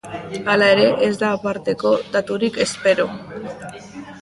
Hala ere, ez da aparteko daturik espero.